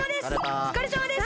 おつかれさまです！